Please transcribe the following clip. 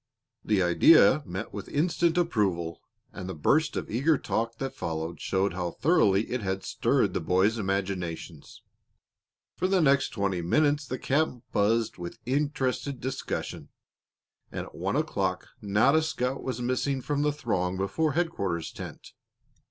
The idea met with instant approval, and the burst of eager talk that followed showed how thoroughly it had stirred the boys' imaginations. For the next twenty minutes the camp buzzed with interested discussion, and at one o'clock not a scout was missing from the throng before headquarters tent.